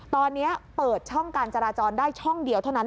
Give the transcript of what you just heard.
ตอนนี้เปิดช่องการจราจรได้ช่องเดียวเท่านั้น